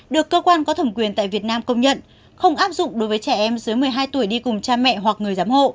được cơ quan có thẩm quyền tại việt nam công nhận không áp dụng đối với trẻ em dưới một mươi hai tuổi đi cùng cha mẹ hoặc người giám hộ